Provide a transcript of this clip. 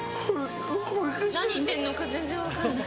何言ってんのか全然分かんない。